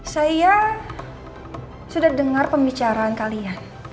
saya sudah dengar pembicaraan kalian